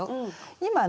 今ね